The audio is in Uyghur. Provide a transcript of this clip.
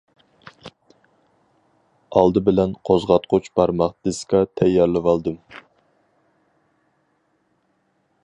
ئالدى بىلەن قوزغاتقۇچ بارماق دىسكا تەييارلىۋالدىم.